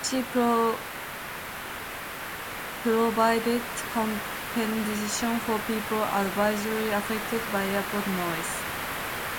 She provided compensation for people adversely affected by airport noise.